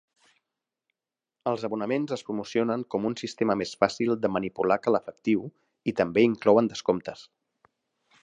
Els abonaments es promocionen com un sistema més fàcil de manipular que l'efectiu i també inclouen descomptes.